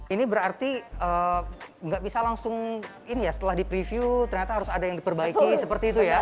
ini berarti nggak bisa langsung ini ya setelah di preview ternyata harus ada yang diperbaiki seperti itu ya